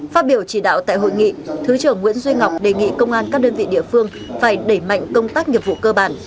phát biểu chỉ đạo tại hội nghị thứ trưởng nguyễn duy ngọc đề nghị công an các đơn vị địa phương phải đẩy mạnh công tác nghiệp vụ cơ bản